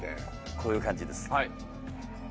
こういう感じです。